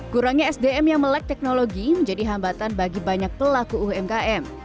kurangnya sdm yang melek teknologi menjadi hambatan bagi banyak pelaku umkm